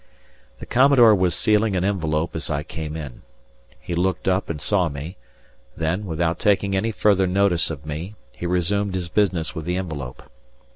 The Commodore was sealing an envelope as I came in; he looked up and saw me, then, without taking any further notice of me, he resumed his business with the envelope.